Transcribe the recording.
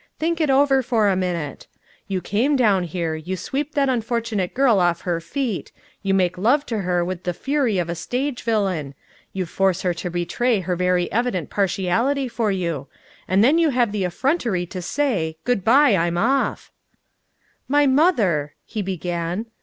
Think it over for a minute. You come down here; you sweep that unfortunate girl off her feet; you make love to her with the fury of a stage villain; you force her to betray her very evident partiality for you and then you have the effrontery to say: 'Good by. I'm off.'" "My mother " he began.